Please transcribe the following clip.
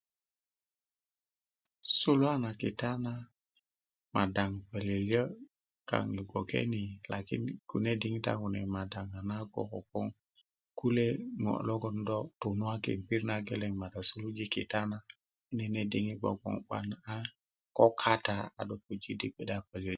suluwa na kita na madaŋ pölyölyö kaaŋ yi gboke ni lakin kune' diŋitan kune' madaŋ a nago' kogboŋ kule' ɲo' logoŋ do tunskin pirit nageleŋ ma do sulujo kita nene' diŋit gbogbo 'ban a ko kata a do puji' di gbe'de pölyölyö